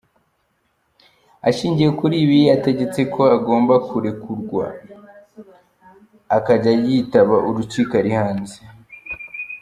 Ashingiye kuri ibi yategetse ko agomba kurekurwa akajya yitaba urukiko ari hanze.